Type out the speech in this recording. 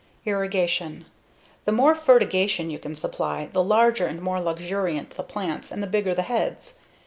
Irrigation: The more fertigation you can supply, the larger and more luxuriant the plants and the bigger the heads.